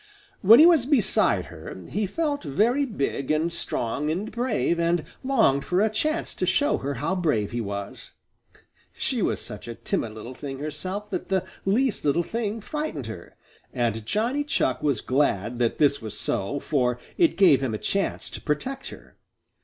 When he was beside her, he felt very big and strong and brave and longed for a chance to show her how brave he was. She was such a timid little thing herself that the least little thing frightened her, and Johnny Chuck was glad that this was so, for it gave him a chance to protect her.